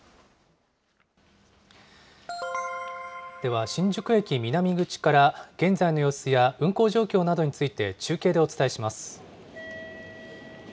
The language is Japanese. では、新宿駅南口から、現在の様子や運行状況などについて中継でお伝えします。